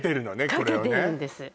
かけてるんです